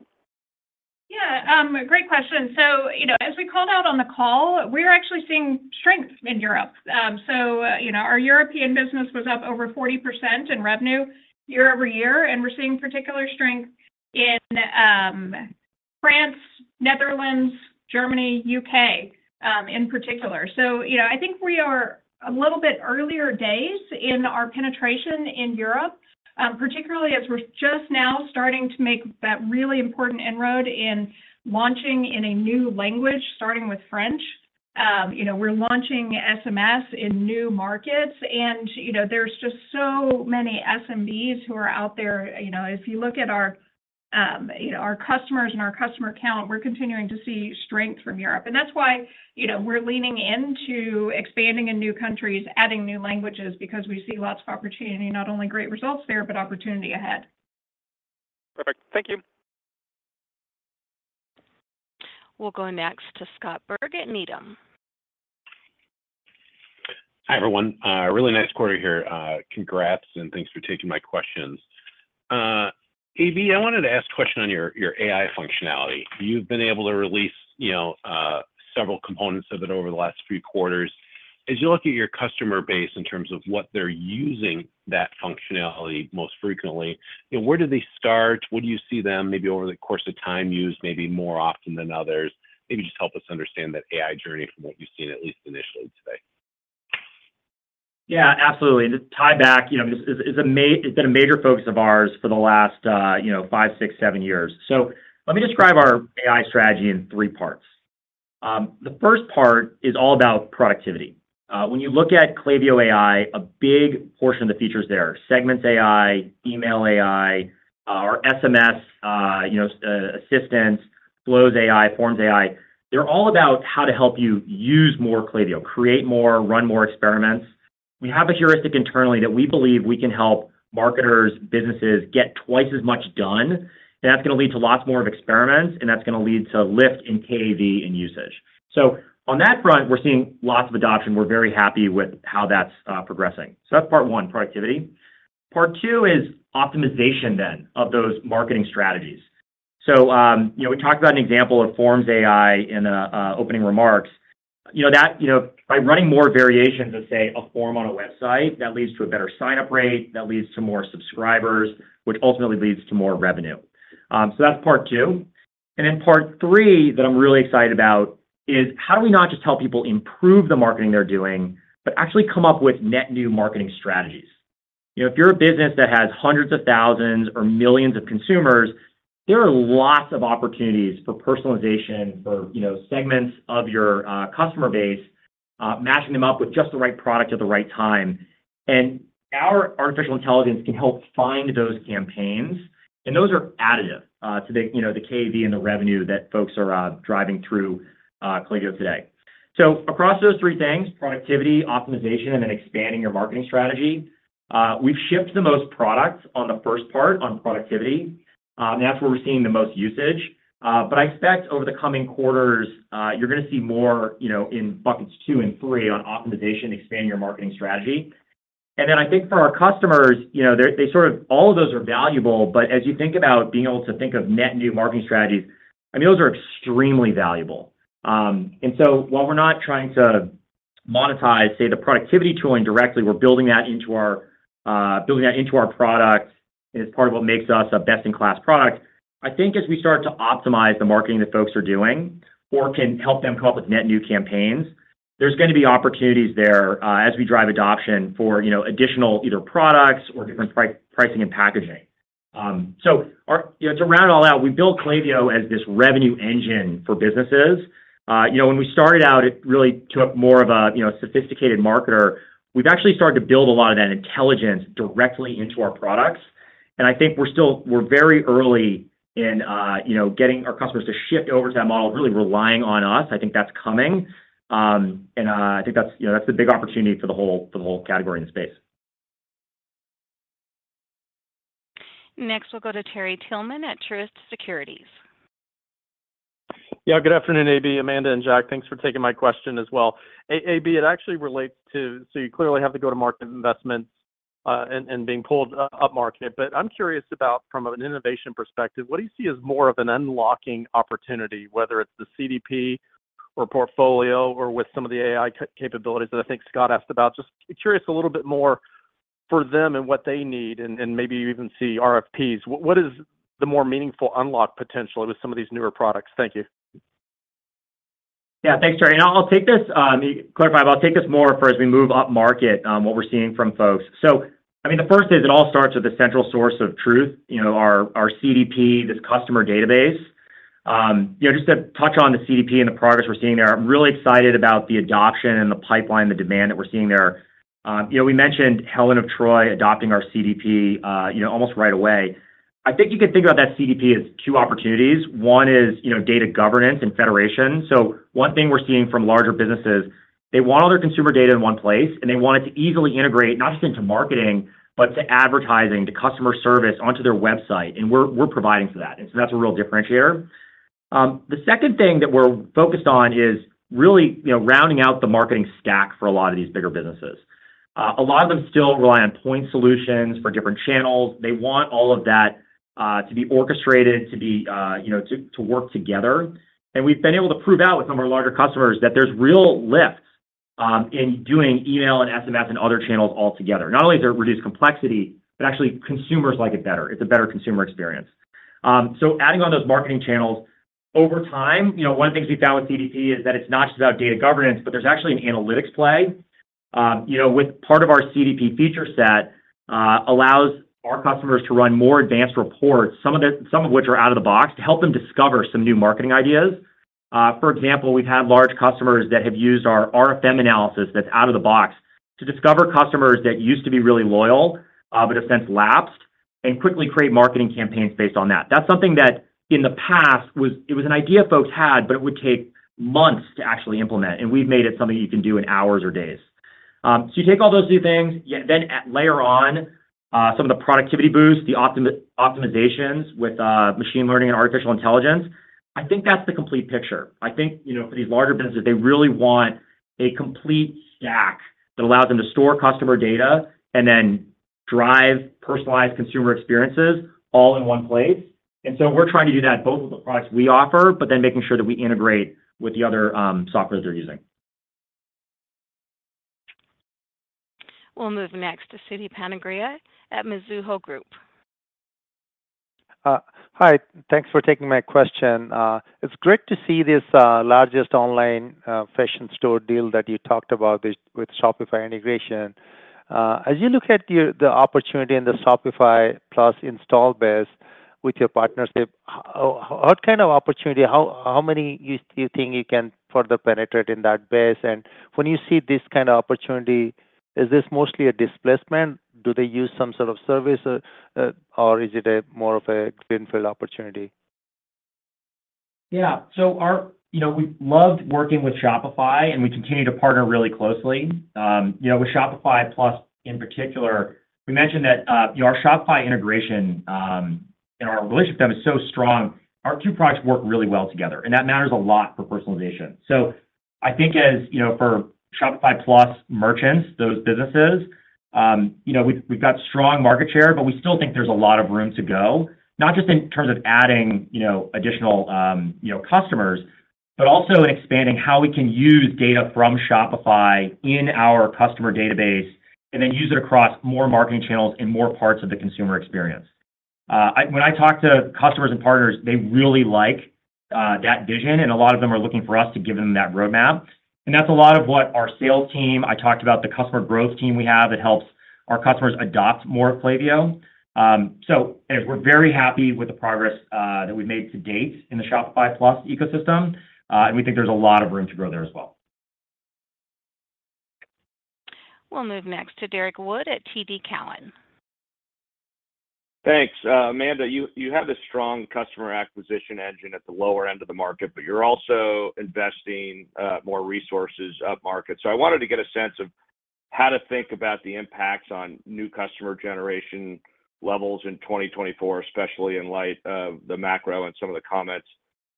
Yeah, great question. So as we called out on the call, we're actually seeing strength in Europe. So our European business was up over 40% in revenue year-over-year, and we're seeing particular strength in France, Netherlands, Germany, UK in particular. So I think we are a little bit earlier days in our penetration in Europe, particularly as we're just now starting to make that really important inroad in launching in a new language, starting with French. We're launching SMS in new markets, and there's just so many SMBs who are out there. If you look at our customers and our customer count, we're continuing to see strength from Europe. And that's why we're leaning into expanding in new countries, adding new languages because we see lots of opportunity, not only great results there, but opportunity ahead. Perfect. Thank you. We'll go next to Scott Berg at Needham. Hi, everyone. Really nice quarter here. Congrats and thanks for taking my questions. AB, I wanted to ask a question on your AI functionality. You've been able to release several components of it over the last few quarters. As you look at your customer base in terms of what they're using that functionality most frequently, where do they start? What do you see them maybe over the course of time use, maybe more often than others? Maybe just help us understand that AI journey from what you've seen, at least initially today. Yeah, absolutely. To tie back, it's been a major focus of ours for the last 5, 6, 7 years. So let me describe our AI strategy in three parts. The first part is all about productivity. When you look at Klaviyo AI, a big portion of the features there, Segments AI, Email AI, our SMS Assistant, Flows AI, Forms AI, they're all about how to help you use more Klaviyo, create more, run more experiments. We have a heuristic internally that we believe we can help marketers, businesses get twice as much done, and that's going to lead to lots more of experiments, and that's going to lead to a lift in KAV and usage. So on that front, we're seeing lots of adoption. We're very happy with how that's progressing. So that's part one, productivity. Part two is optimization then of those marketing strategies. So we talked about an example of Forms AI in the opening remarks. By running more variations of, say, a form on a website, that leads to a better sign-up rate. That leads to more subscribers, which ultimately leads to more revenue. So that's part two. And then part three that I'm really excited about is how do we not just help people improve the marketing they're doing, but actually come up with net new marketing strategies? If you're a business that has hundreds of thousands or millions of consumers, there are lots of opportunities for personalization for segments of your customer base, matching them up with just the right product at the right time. And our artificial intelligence can help find those campaigns, and those are additive to the KAV and the revenue that folks are driving through Klaviyo today. Across those three things, productivity, optimization, and then expanding your marketing strategy, we've shipped the most products on the first part, on productivity. That's where we're seeing the most usage. I expect over the coming quarters, you're going to see more in buckets two and three on optimization, expanding your marketing strategy. Then I think for our customers, all of those are valuable. As you think about being able to think of net new marketing strategies, I mean, those are extremely valuable. While we're not trying to monetize, say, the productivity tooling directly, we're building that into our product, and it's part of what makes us a best-in-class product. I think as we start to optimize the marketing that folks are doing or can help them come up with net new campaigns, there's going to be opportunities there as we drive adoption for additional either products or different pricing and packaging. So to round all out, we build Klaviyo as this revenue engine for businesses. When we started out, it really took more of a sophisticated marketer. We've actually started to build a lot of that intelligence directly into our products. And I think we're very early in getting our customers to shift over to that model, really relying on us. I think that's coming. And I think that's the big opportunity for the whole category in the space. Next, we'll go to Terry Tillman at Truist Securities. Yeah, good afternoon, AB, Amanda, and Jack. Thanks for taking my question as well. AB, it actually relates to so you clearly have to go to market investments and being pulled up market. But I'm curious about, from an innovation perspective, what do you see as more of an unlocking opportunity, whether it's the CDP or portfolio or with some of the AI capabilities that I think Scott asked about? Just curious a little bit more for them and what they need, and maybe even see RFPs. What is the more meaningful unlock potentially with some of these newer products? Thank you. Yeah, thanks, Terry. And I'll take this to clarify, but I'll take this more forward as we move up market, what we're seeing from folks. So I mean, the first is it all starts with the central source of truth, our CDP, this customer database. Just to touch on the CDP and the progress we're seeing there, I'm really excited about the adoption and the pipeline, the demand that we're seeing there. We mentioned Helen of Troy adopting our CDP almost right away. I think you could think about that CDP as two opportunities. One is data governance and federation. So one thing we're seeing from larger businesses, they want all their consumer data in one place, and they want it to easily integrate not just into marketing, but to advertising, to customer service onto their website. And we're providing for that. And so that's a real differentiator. The second thing that we're focused on is really rounding out the marketing stack for a lot of these bigger businesses. A lot of them still rely on point solutions for different channels. They want all of that to be orchestrated, to work together. And we've been able to prove out with some of our larger customers that there's real lifts in doing email and SMS and other channels altogether. Not only is there reduced complexity, but actually, consumers like it better. It's a better consumer experience. So adding on those marketing channels, over time, one of the things we found with CDP is that it's not just about data governance, but there's actually an analytics play with part of our CDP feature set allows our customers to run more advanced reports, some of which are out of the box, to help them discover some new marketing ideas. For example, we've had large customers that have used our RFM analysis that's out of the box to discover customers that used to be really loyal, but have since lapsed, and quickly create marketing campaigns based on that. That's something that in the past, it was an idea folks had, but it would take months to actually implement. And we've made it something you can do in hours or days. So you take all those two things, then layer on some of the productivity boosts, the optimizations with machine learning and artificial intelligence. I think that's the complete picture. I think for these larger businesses, they really want a complete stack that allows them to store customer data and then drive personalized consumer experiences all in one place. And so we're trying to do that both with the products we offer, but then making sure that we integrate with the other software that they're using. We'll move next to Siti Panigrahi at Mizuho Group. Hi, thanks for taking my question. It's great to see this largest online fashion store deal that you talked about with Shopify integration. As you look at the opportunity in the Shopify Plus install base with your partnership, what kind of opportunity? How many do you think you can further penetrate in that base? And when you see this kind of opportunity, is this mostly a displacement? Do they use some sort of service, or is it more of a greenfield opportunity? Yeah, so we loved working with Shopify, and we continue to partner really closely. With Shopify Plus in particular, we mentioned that our Shopify integration and our relationship with them is so strong, our two products work really well together. That matters a lot for personalization. I think for Shopify Plus merchants, those businesses, we've got strong market share, but we still think there's a lot of room to go, not just in terms of adding additional customers, but also in expanding how we can use data from Shopify in our customer database and then use it across more marketing channels in more parts of the consumer experience. When I talk to customers and partners, they really like that vision, and a lot of them are looking for us to give them that roadmap. That's a lot of what our sales team I talked about, the customer growth team we have that helps our customers adopt more Klaviyo. We're very happy with the progress that we've made to date in the Shopify Plus ecosystem. We think there's a lot of room to grow there as well. We'll move next to Derrick Wood at TD Cowen. Thanks. Amanda, you have this strong customer acquisition engine at the lower end of the market, but you're also investing more resources up market. So I wanted to get a sense of how to think about the impacts on new customer generation levels in 2024, especially in light of the macro and some of the comments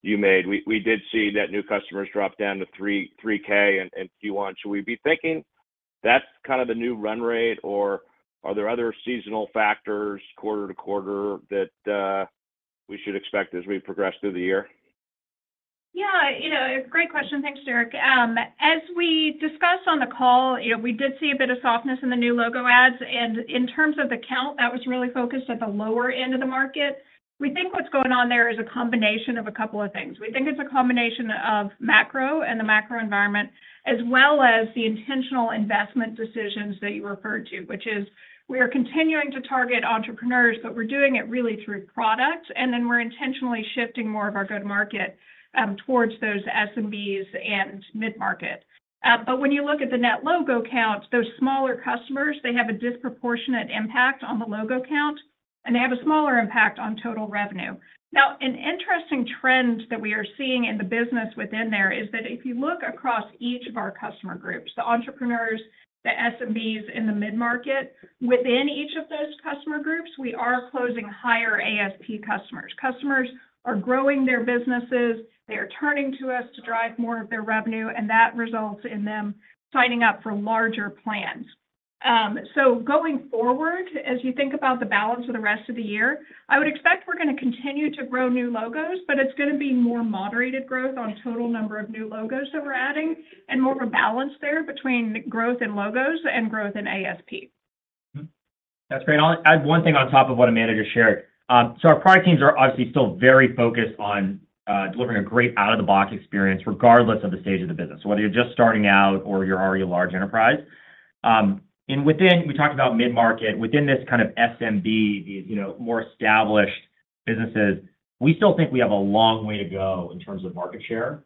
you made. We did see that new customers dropped down to 3,000 in Q1. So we'd be thinking, that's kind of the new run rate, or are there other seasonal factors quarter to quarter that we should expect as we progress through the year? Yeah, great question. Thanks, Derrick. As we discussed on the call, we did see a bit of softness in the new logo adds. And in terms of the count, that was really focused at the lower end of the market. We think what's going on there is a combination of a couple of things. We think it's a combination of macro and the macro environment, as well as the intentional investment decisions that you referred to, which is we are continuing to target entrepreneurs, but we're doing it really through product. And then we're intentionally shifting more of our go-to-market towards those SMBs and mid-market. But when you look at the net logo count, those smaller customers, they have a disproportionate impact on the logo count, and they have a smaller impact on total revenue. Now, an interesting trend that we are seeing in the business within there is that if you look across each of our customer groups, the entrepreneurs, the SMBs, and the mid-market, within each of those customer groups, we are closing higher ASP customers. Customers are growing their businesses. They are turning to us to drive more of their revenue, and that results in them signing up for larger plans. So going forward, as you think about the balance of the rest of the year, I would expect we're going to continue to grow new logos, but it's going to be more moderated growth on total number of new logos that we're adding and more of a balance there between growth in logos and growth in ASP. That's great. I'll add one thing on top of what Amanda just shared. Our product teams are obviously still very focused on delivering a great out-of-the-box experience, regardless of the stage of the business, whether you're just starting out or you're already a large enterprise. We talked about mid-market. Within this kind of SMB, these more established businesses, we still think we have a long way to go in terms of market share.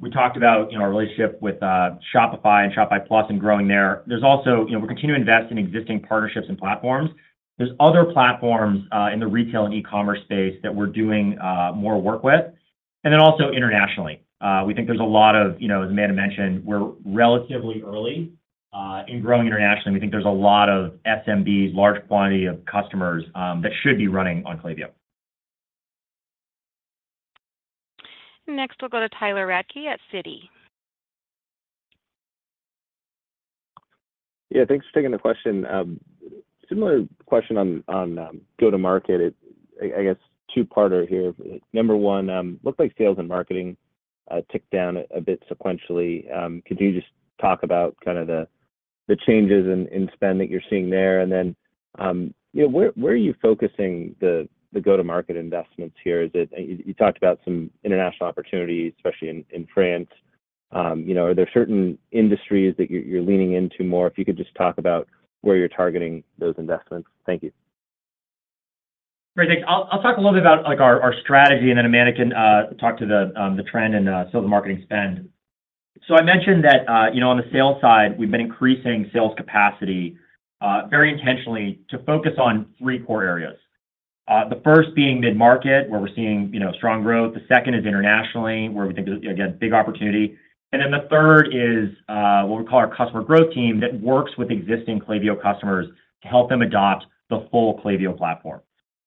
We talked about our relationship with Shopify and Shopify Plus and growing there. We're continuing to invest in existing partnerships and platforms. There's other platforms in the retail and e-commerce space that we're doing more work with. Internationally, we think there's a lot of, as Amanda mentioned, we're relatively early in growing internationally. We think there's a lot of SMBs, large quantity of customers that should be running on Klaviyo. Next, we'll go to Tyler Radke at Citi. Yeah, thanks for taking the question. Similar question on go-to-market, I guess, two-parter here. Number one, it looked like sales and marketing ticked down a bit sequentially. Could you just talk about kind of the changes in spend that you're seeing there? And then where are you focusing the go-to-market investments here? You talked about some international opportunities, especially in France. Are there certain industries that you're leaning into more? If you could just talk about where you're targeting those investments? Thank you. Great. Thanks. I'll talk a little bit about our strategy, and then Amanda can talk to the trend and sales and marketing spend. So I mentioned that on the sales side, we've been increasing sales capacity very intentionally to focus on three core areas, the first being mid-market where we're seeing strong growth. The second is internationally where we think there's, again, big opportunity. And then the third is what we call our customer growth team that works with existing Klaviyo customers to help them adopt the full Klaviyo platform.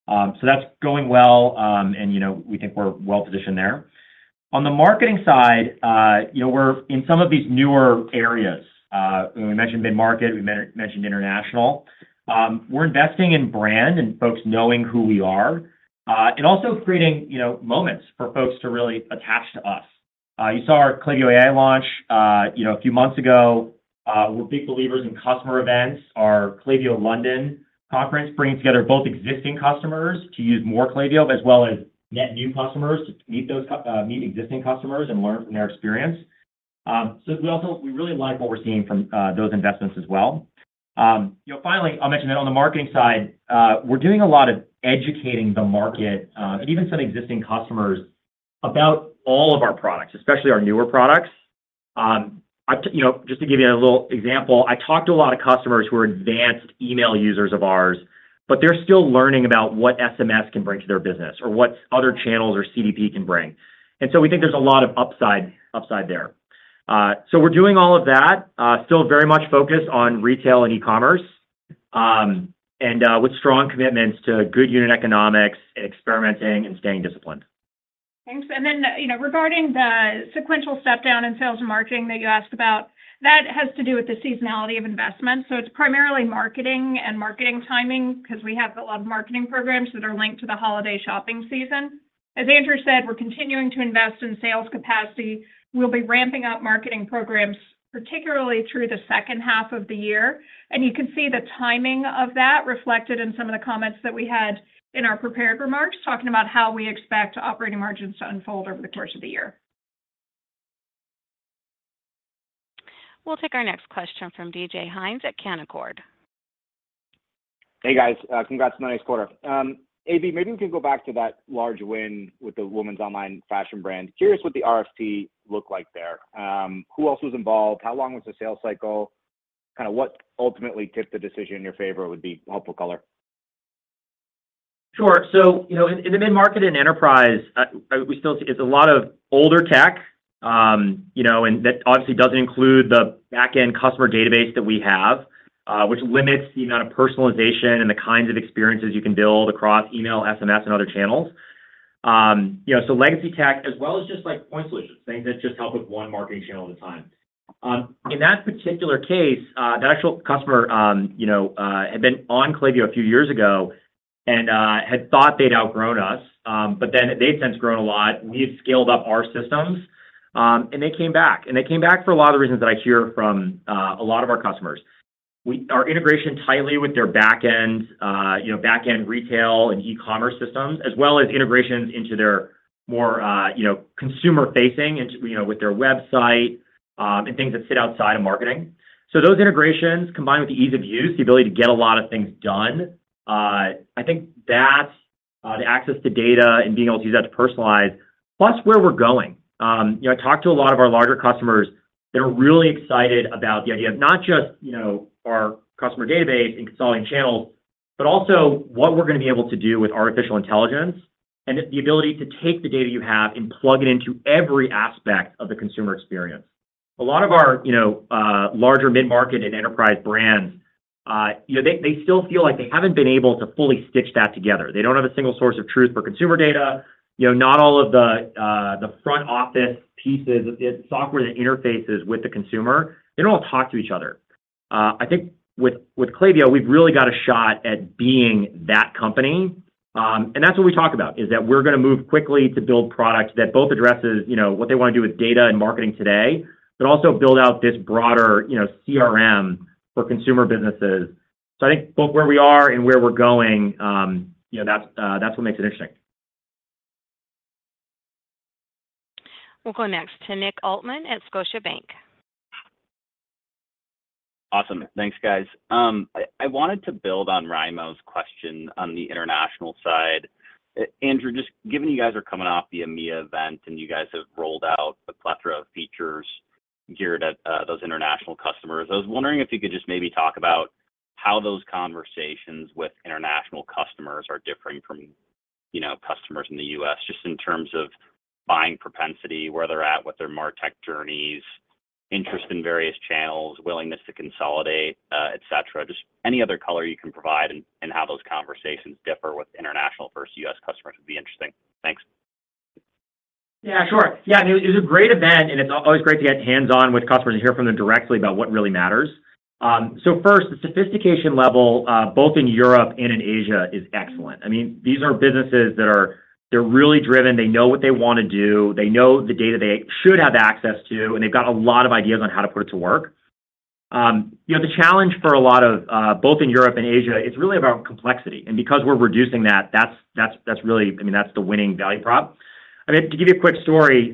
So that's going well, and we think we're well positioned there. On the marketing side, we're in some of these newer areas. We mentioned mid-market. We mentioned international. We're investing in brand and folks knowing who we are and also creating moments for folks to really attach to us. You saw our Klaviyo AI launch a few months ago. We're big believers in customer events, our Klaviyo London conference, bringing together both existing customers to use more Klaviyo as well as net new customers to meet existing customers and learn from their experience. So we really like what we're seeing from those investments as well. Finally, I'll mention that on the marketing side, we're doing a lot of educating the market and even some existing customers about all of our products, especially our newer products. Just to give you a little example, I talked to a lot of customers who are advanced email users of ours, but they're still learning about what SMS can bring to their business or what other channels or CDP can bring. And so we think there's a lot of upside there. So we're doing all of that, still very much focused on retail and e-commerce and with strong commitments to good unit economics and experimenting and staying disciplined. Thanks. Then regarding the sequential stepdown in sales and marketing that you asked about, that has to do with the seasonality of investments. So it's primarily marketing and marketing timing because we have a lot of marketing programs that are linked to the holiday shopping season. As Andrew said, we're continuing to invest in sales capacity. We'll be ramping up marketing programs, particularly through the second half of the year. And you can see the timing of that reflected in some of the comments that we had in our prepared remarks, talking about how we expect operating margins to unfold over the course of the year. We'll take our next question from DJ Hynes at Canaccord Genuity. Hey, guys. Congrats on the next quarter. AB, maybe we can go back to that large win with the women's online fashion brand. Curious what the RFP looked like there. Who else was involved? How long was the sales cycle? Kind of what ultimately tipped the decision in your favor would be helpful color. Sure. So in the mid-market and enterprise, we still see it's a lot of older tech. And that obviously doesn't include the back-end customer database that we have, which limits the amount of personalization and the kinds of experiences you can build across email, SMS, and other channels. So legacy tech, as well as just point solutions, things that just help with one marketing channel at a time. In that particular case, that actual customer had been on Klaviyo a few years ago and had thought they'd outgrown us. But then they'd since grown a lot. We had scaled up our systems. And they came back. And they came back for a lot of the reasons that I hear from a lot of our customers. Our integration tightly with their back-end retail and e-commerce systems, as well as integrations into their more consumer-facing with their website and things that sit outside of marketing. So those integrations, combined with the ease of use, the ability to get a lot of things done, I think that's the access to data and being able to use that to personalize, plus where we're going. I talked to a lot of our larger customers that are really excited about the idea of not just our customer database and consolidating channels, but also what we're going to be able to do with artificial intelligence and the ability to take the data you have and plug it into every aspect of the consumer experience. A lot of our larger mid-market and enterprise brands, they still feel like they haven't been able to fully stitch that together. They don't have a single source of truth for consumer data. Not all of the front-office pieces, the software that interfaces with the consumer, they don't all talk to each other. I think with Klaviyo, we've really got a shot at being that company. That's what we talk about, is that we're going to move quickly to build products that both address what they want to do with data and marketing today, but also build out this broader CRM for consumer businesses. I think both where we are and where we're going, that's what makes it interesting. We'll go next to Nick Altman at Scotiabank. Awesome. Thanks, guys. I wanted to build on Raimo's question on the international side. Andrew, just given you guys are coming off the EMEA event and you guys have rolled out a plethora of features geared at those international customers, I was wondering if you could just maybe talk about how those conversations with international customers are differing from customers in the U.S., just in terms of buying propensity, where they're at, what their martech journeys, interest in various channels, willingness to consolidate, etc.? Just any other color you can provide and how those conversations differ with international-first U.S. customers would be interesting. Thanks. Yeah, sure. Yeah. I mean, it was a great event, and it's always great to get hands-on with customers and hear from them directly about what really matters. So first, the sophistication level, both in Europe and in Asia, is excellent. I mean, these are businesses that are really driven. They know what they want to do. They know the data they should have access to, and they've got a lot of ideas on how to put it to work. The challenge for a lot of both in Europe and Asia, it's really about complexity. And because we're reducing that, that's really I mean, that's the winning value prop. I mean, to give you a quick story,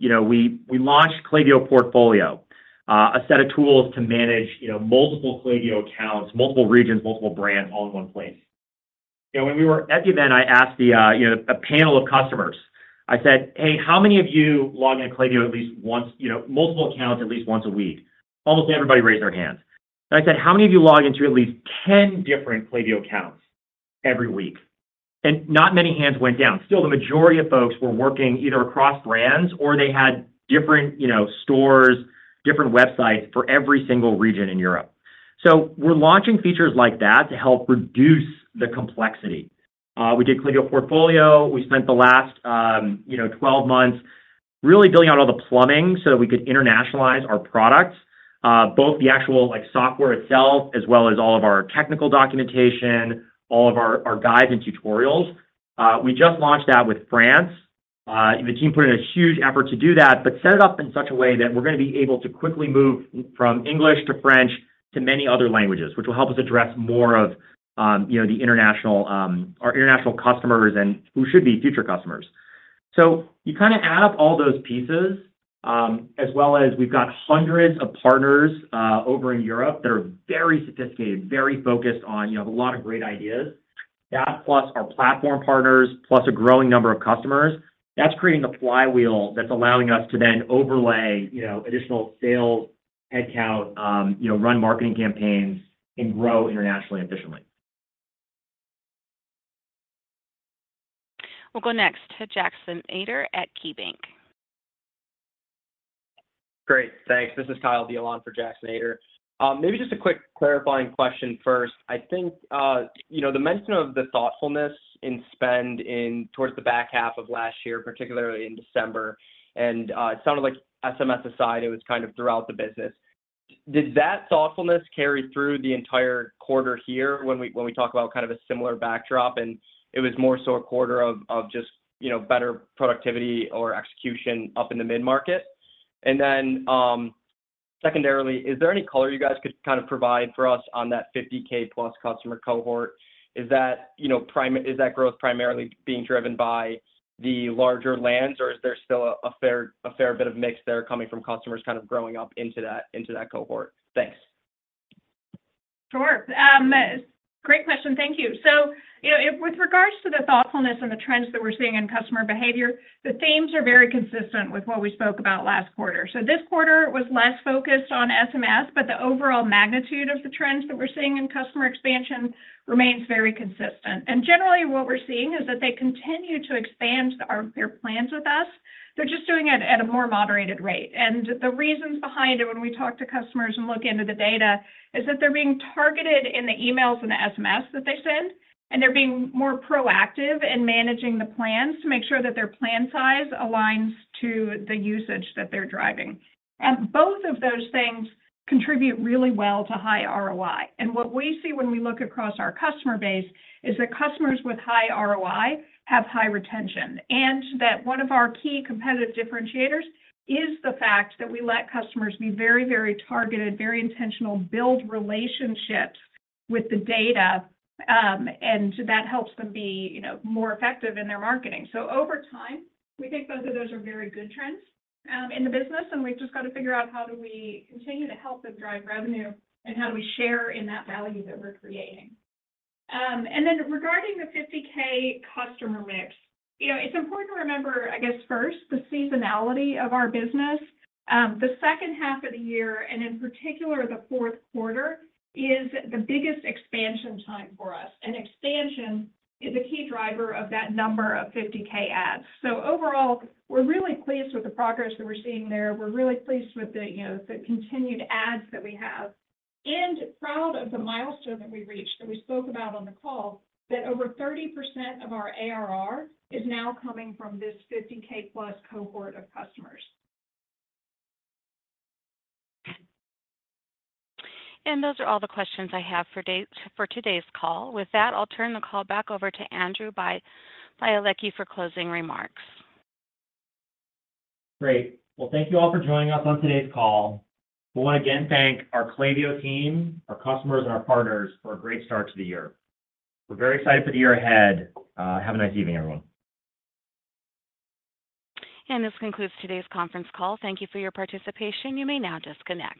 we launched Klaviyo Portfolio, a set of tools to manage multiple Klaviyo accounts, multiple regions, multiple brands, all in one place. When we were at the event, I asked a panel of customers. I said, "Hey, how many of you log into Klaviyo at least once multiple accounts at least once a week?" Almost everybody raised their hands. Then I said, "How many of you log into at least 10 different Klaviyo accounts every week?" Not many hands went down. Still, the majority of folks were working either across brands or they had different stores, different websites for every single region in Europe. We're launching features like that to help reduce the complexity. We did Klaviyo Portfolio. We spent the last 12 months really building out all the plumbing so that we could internationalize our products, both the actual software itself as well as all of our technical documentation, all of our guides and tutorials. We just launched that with France. The team put in a huge effort to do that, but set it up in such a way that we're going to be able to quickly move from English to French to many other languages, which will help us address more of our international customers and who should be future customers. So you kind of add up all those pieces, as well as we've got hundreds of partners over in Europe that are very sophisticated, very focused on have a lot of great ideas. That, plus our platform partners, plus a growing number of customers, that's creating the flywheel that's allowing us to then overlay additional sales, headcount, run marketing campaigns, and grow internationally efficiently. We'll go next to Jackson Ader at KeyBanc. Great. Thanks. This is Kyle Diehl for Jackson Ader. Maybe just a quick clarifying question first. I think the mention of the thoughtfulness in spend towards the back half of last year, particularly in December, and it sounded like SMS aside, it was kind of throughout the business. Did that thoughtfulness carry through the entire quarter here when we talk about kind of a similar backdrop and it was more so a quarter of just better productivity or execution up in the mid-market? And then secondarily, is there any color you guys could kind of provide for us on that $50,000-plus customer cohort? Is that growth primarily being driven by the larger lands, or is there still a fair bit of mix there coming from customers kind of growing up into that cohort? Thanks. Sure. Great question. Thank you. So with regards to the thoughtfulness and the trends that we're seeing in customer behavior, the themes are very consistent with what we spoke about last quarter. So this quarter was less focused on SMS, but the overall magnitude of the trends that we're seeing in customer expansion remains very consistent. And generally, what we're seeing is that they continue to expand their plans with us. They're just doing it at a more moderated rate. And the reasons behind it, when we talk to customers and look into the data, is that they're being targeted in the emails and the SMS that they send, and they're being more proactive in managing the plans to make sure that their plan size aligns to the usage that they're driving. And both of those things contribute really well to high ROI. And what we see when we look across our customer base is that customers with high ROI have high retention, and that one of our key competitive differentiators is the fact that we let customers be very, very targeted, very intentional, build relationships with the data, and that helps them be more effective in their marketing. So over time, we think both of those are very good trends in the business, and we've just got to figure out how do we continue to help them drive revenue and how do we share in that value that we're creating. And then regarding the 50,000 customer mix, it's important to remember, I guess, first, the seasonality of our business. The second half of the year, and in particular the fourth quarter, is the biggest expansion time for us. And expansion is a key driver of that number of 50,000 ads. Overall, we're really pleased with the progress that we're seeing there. We're really pleased with the continued ads that we have. Proud of the milestone that we reached that we spoke about on the call, that over 30% of our ARR is now coming from this 50,000-plus cohort of customers. Those are all the questions I have for today's call. With that, I'll turn the call back over to Andrew Bialecki for closing remarks. Great. Well, thank you all for joining us on today's call. We want to again thank our Klaviyo team, our customers, and our partners for a great start to the year. We're very excited for the year ahead. Have a nice evening, everyone. This concludes today's conference call. Thank you for your participation. You may now disconnect.